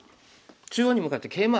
中央に向かってケイマ。